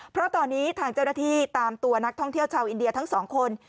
เพราะตอนนี้ทางเจ้าหน้าที่ตามตัวนักท่องเที่ยวชาวอินเดียทั้งสองคน